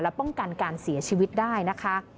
ป้องกันการเสียชีวิตได้นะคะ